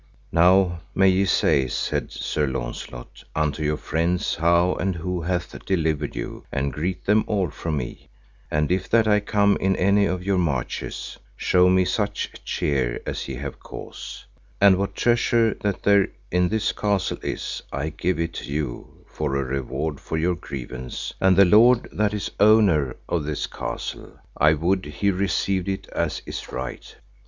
Now may ye say, said Sir Launcelot, unto your friends how and who hath delivered you, and greet them all from me, and if that I come in any of your marches, show me such cheer as ye have cause, and what treasure that there in this castle is I give it you for a reward for your grievance, and the lord that is owner of this castle I would he received it as is right.